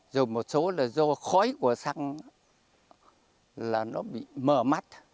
rồi một số là do khói của xăng là nó bị mờ mắt